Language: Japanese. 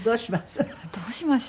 どうします？